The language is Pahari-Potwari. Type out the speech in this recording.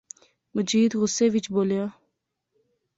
مجید غصے وچ بولیا